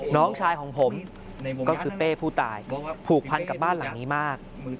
น้องชายของผมก็คือเป้ผู้ตายผูกพันกับบ้านหลังนี้มาก